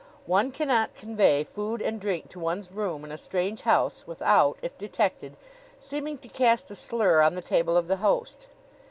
One cannot convey food and drink to one's room in a strange house without, if detected, seeming to cast a slur on the table of the host.